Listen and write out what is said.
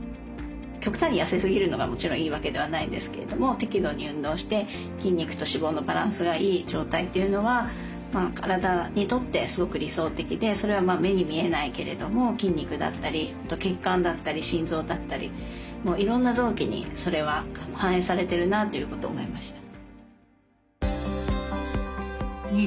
極端に痩せすぎるのがもちろんいいわけではないんですけれども適度に運動して筋肉と脂肪のバランスがいい状態っていうのは体にとってすごく理想的でそれは目に見えないけれども筋肉だったり血管だったり心臓だったりいろんな臓器にそれは反映されてるなと思いました。